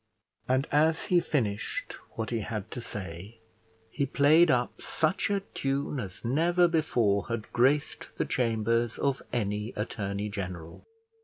And, as he finished what he had to say, he played up such a tune as never before had graced the chambers of any attorney general.